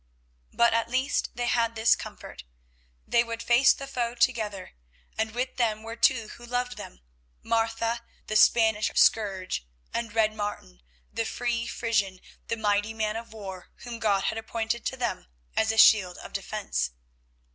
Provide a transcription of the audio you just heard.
But at least they had this comfort, they would face the foe together, and with them were two who loved them, Martha, the "Spanish Scourge," and Red Martin, the free Frisian, the mighty man of war whom God had appointed to them as a shield of defence.